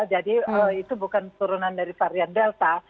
jadi itu bukan turunan dari varian delta